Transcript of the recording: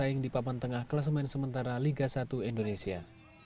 bersaing di papan tengah kelas main sementara liga satu indonesia